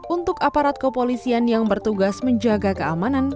untuk aparat kepolisian yang bertugas menjaga keamanan